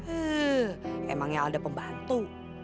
eh emangnya alda pembantu